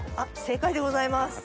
正解でございます。